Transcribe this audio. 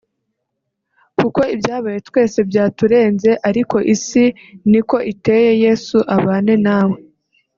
kuko ibyabaye twese byaturenze ariko isi niko iteye Yesu abane nawe